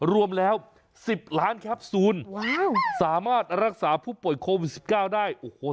รวมแล้ว๑๐ล้านแคปซูลสามารถรักษาผู้ป่วยโควิด๑๙ได้โอ้โห